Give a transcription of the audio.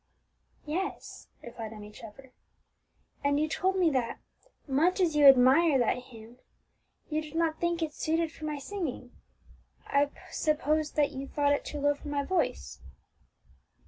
'" "Yes," replied Emmie Trevor; "and you told me that, much as you admired that hymn, you did not think it suited for my singing. I supposed that you thought it too low for my voice."